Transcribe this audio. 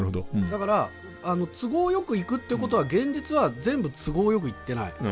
だから都合よくいくってことは現実は全部都合よくいってない。